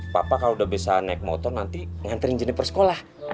papa kalau udah bisa naik motor nanti ngantriin jennifer ke sekolah